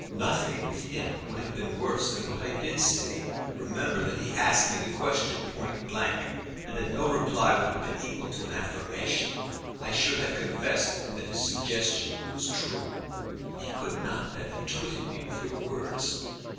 "Nothing with him would have been worse than what I did say. Remember that he asked me the question point blank, and that no reply would have been equal to an affirmation. I should have confessed that his suggestion was true." "He could not then have twitted me with your words."